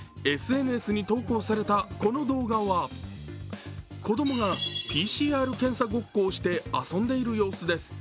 ＳＮＳに投稿されたこの動画は子供がＰＣＲ検査ごっこをして遊んでいる様子です。